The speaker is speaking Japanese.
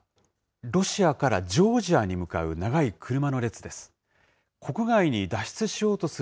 ロシアからジョージアに向かう長い車の列です。